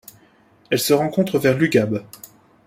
Elle se rencontre vers l'Ugab.